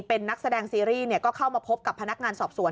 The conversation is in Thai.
เป็นนักแสดงซีรีส์ก็เข้ามาพบกับพนักงานสอบสวน